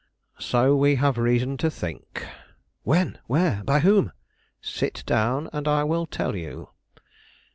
"So we have reason to think." "When? where? by whom?" "Sit down, and I will tell you."